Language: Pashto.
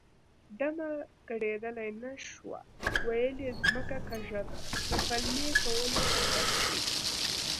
ډمه ګډېدلی نه شوه ویل یې ځمکه کږه ده د پلمې کولو عادت ښيي